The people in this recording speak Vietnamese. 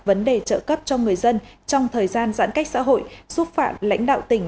vấn đề trợ cấp cho người dân trong thời gian giãn cách xã hội xúc phạm lãnh đạo tỉnh